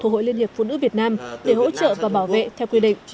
việc phụ nữ việt nam để hỗ trợ và bảo vệ theo quy định